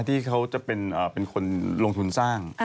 ที่เขาจะเป็นคนลงทุนสร้าง